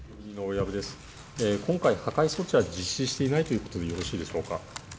今回、破壊措置は実施していないということでよろしいでしょうか。